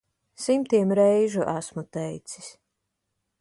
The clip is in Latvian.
Simtiem reižu esmu teicis.